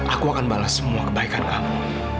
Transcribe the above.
aku akan balas semua kebaikan kamu